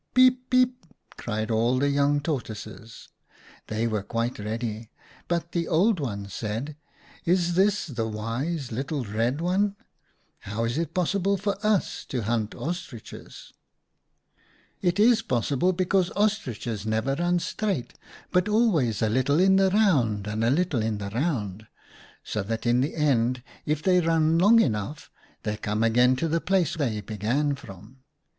"'Peep! peep!' cried all the young Tor toises : they were quite ready. But the Oid Ones said, ■ Is this the wise little Red One ? How is it possible for us to hunt Ostriches ?'"' It is possible, because Ostriches never run straight, but always a little in the round, and a little in the round, so that in the end if they run long enough they come again to the place they began from.